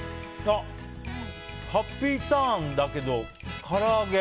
ハッピーターンだけどから揚げ。